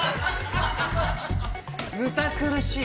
むさ苦しい。